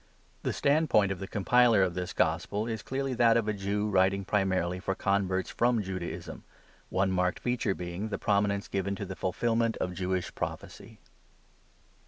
The standpoint of the compiler of this gospel is clearly that of a Jew writing primarily for converts from Judaism, one marked feature being the prominence given to the fulfilment of Jewish prophecy.